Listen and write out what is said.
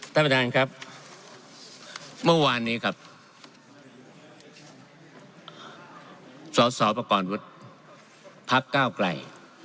ท่านประธานครับเมื่อวานนี้ครับสสประกอบวุฒิพักก้าวไกล